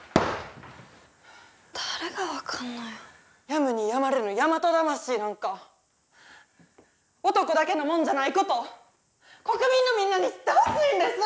やむにやまれぬ大和魂なんか男だけのもんじゃないことを国民のみんなに知ってほしいんです！